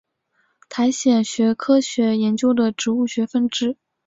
苔藓学科学研究的植物学分支。